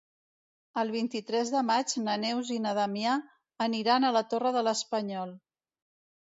El vint-i-tres de maig na Neus i na Damià aniran a la Torre de l'Espanyol.